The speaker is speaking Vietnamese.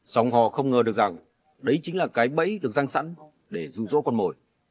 sống họ không ngờ được rằng đấy chính là cái bẫy được răng sẵn để ru rỗ con mồi